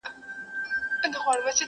ښه خبر وو مندوشاه له مصیبته!.